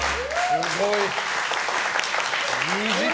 すごい。